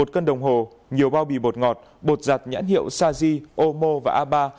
một cân đồng hồ nhiều bao bị bột ngọt bột giặt nhãn hiệu saji ômô và a ba